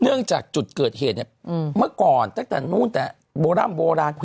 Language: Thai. จากจุดเกิดเหตุเนี่ยเมื่อก่อนตั้งแต่นู้นแต่โบร่ำโบราณ